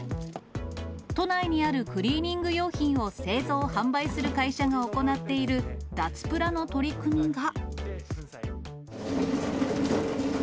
都内にあるクリーニング用品を製造・販売する会社が行っている脱プラの取り組みが。